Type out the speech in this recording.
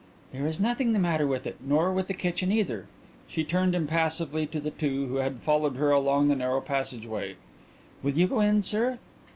"There is nothing the matter with it, nor with the kitchen either." She turned impassively to the two who had followed her along the narrow passage. "Will you go in, sir?"